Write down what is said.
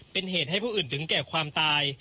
เป็นเหตุให้ผู้อื่นถึงแก่ความตาย